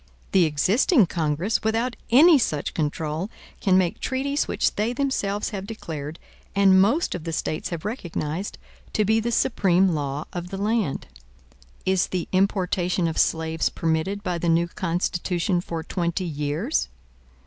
The existing Congress, without any such control, can make treaties which they themselves have declared, and most of the States have recognized, to be the supreme law of the land. Is the importation of slaves permitted by the new Constitution for twenty years?